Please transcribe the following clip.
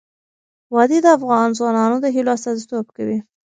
وادي د افغان ځوانانو د هیلو استازیتوب کوي.